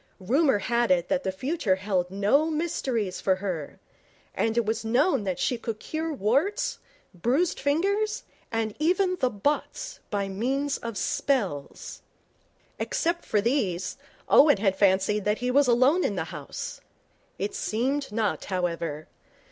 Rumour had it that the future held no mysteries for her, and it was known that she could cure warts, bruised fingers, and even the botts by means of spells. Except for these, Owen had fancied that he was alone in the house. It seemed not, however.